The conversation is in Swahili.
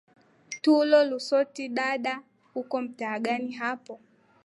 tulo lusoti dada uko mtaa gani hapo